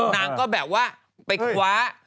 นางก็แบบว่าไปคว้า